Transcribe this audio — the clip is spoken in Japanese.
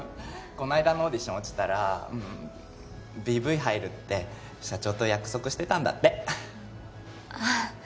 この間のオーディション落ちたらＢＶ入るって社長と約束してたんだってああ